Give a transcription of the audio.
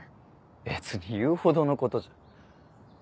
別に言うほどのことじゃ。